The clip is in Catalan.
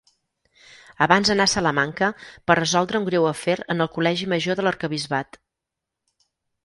Abans anà a Salamanca per resoldre un greu afer en el col·legi major de l'arquebisbat.